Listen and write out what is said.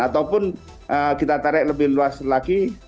ataupun kita tarik lebih luas lagi